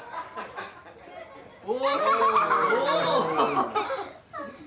・お！